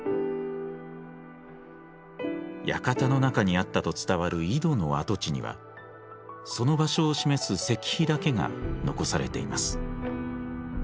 館の中にあったと伝わる井戸の跡地にはその場所を示す石碑だけが残されています。